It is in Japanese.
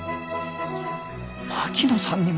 槙野さんにも。